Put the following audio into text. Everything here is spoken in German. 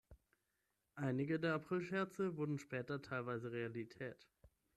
Einige der April-Scherze wurden später teilweise Realität.